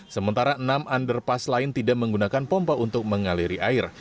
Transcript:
sementara enam underpass lain tidak menggunakan pompa untuk mengaliri air